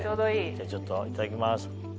ちょっといただきます。